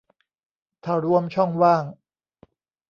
ถ้ารวมช่องว่าง